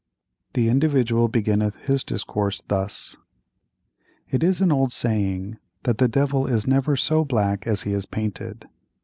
The Individual beginneth his discourse thus:— It is an old saying, that "The Devil is never so black as he is painted."